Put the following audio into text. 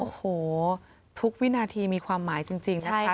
โอ้โหทุกวินาทีมีความหมายจริงนะคะ